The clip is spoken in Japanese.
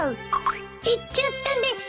行っちゃったです。